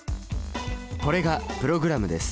これがプログラムです。